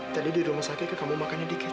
tadi di rumah sakit kamu makannya dikit